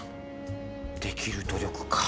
できる努力か。